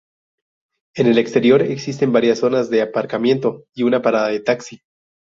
En el exterior existen varias zonas de aparcamiento y una parada de taxi.